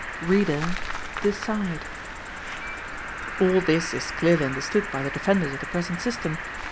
Reader, decide! All this is clearly understood by the defenders of the present system.